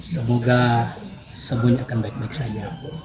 semoga semuanya akan baik baik saja